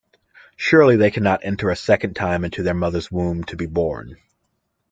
Surely they cannot enter a second time into their mother's womb to be born!